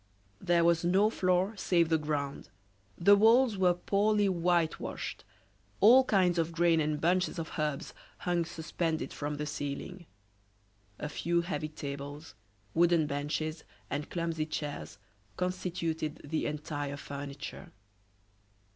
There was no floor save the ground; the walls were poorly whitewashed; all kinds of grain and bunches of herbs hung suspended from the ceiling; a few heavy tables, wooden benches, and clumsy chairs constituted the entire furniture.